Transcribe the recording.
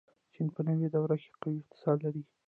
چین په نوې دور کې قوي اقتصاد لري.